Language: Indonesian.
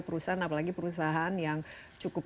perusahaan apalagi perusahaan yang cukup